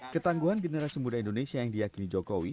ketangguhan generasi muda indonesia yang diakini jokowi